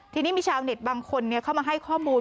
ทีนี้มีชาวเน็ตบางคนเข้ามาให้ข้อมูล